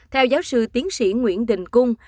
theo giáo sư tiến sĩ nguyễn đình cung